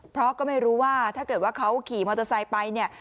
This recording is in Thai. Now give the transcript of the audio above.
เพราะก็ไม่รู้ว่าถ้าเกิดว่าเขาขี่มอเตอร์ไซค์ไปเนี่ย